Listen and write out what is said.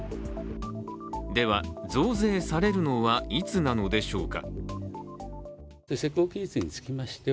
では、増税されるのはいつなのでしょうか。